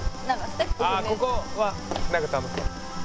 あっここはなんか楽しそう。